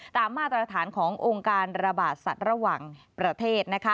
มาตรฐานขององค์การระบาดสัตว์ระหว่างประเทศ